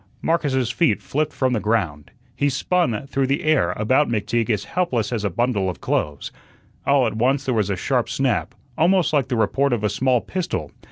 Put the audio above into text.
Marcus's feet flipped from the ground, he spun through the air about McTeague as helpless as a bundle of clothes. All at once there was a sharp snap, almost like the report of a small pistol.